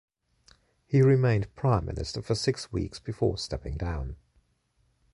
He remained Prime Minister for six weeks before stepping down.